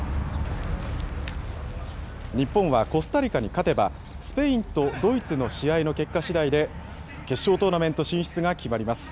日本はコスタリカに勝てば、スペインとドイツの試合の結果しだいで、決勝トーナメント進出が決まります。